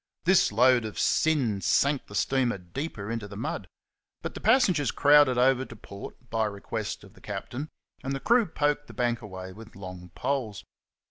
This load of sin sank the steamer deeper into the mud ; but the passengers crowded over to port, by request of the captain, and the crew poked the bank away with long poles.